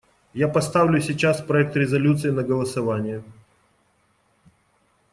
Я поставлю сейчас проект резолюции на голосование.